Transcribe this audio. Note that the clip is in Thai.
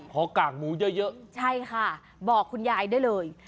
พอกากหมูเยอะใช่ค่ะบอกคุณยายได้เลย